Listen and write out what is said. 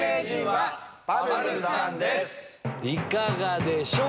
いかがでしょう？